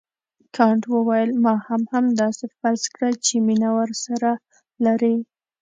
کانت وویل ما هم همداسې فرض کړه چې مینه ورسره لرې.